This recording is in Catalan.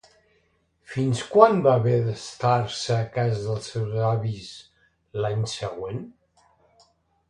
Fins quan va haver d'estar-se a casa els seus avis, l'any següent?